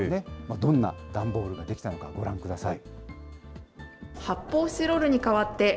どんな段ボールが出来たのか、ご覧ください。